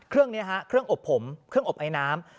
เครื่องนี้ฮะเครื่องอบผมเครื่องอบไอน้ำ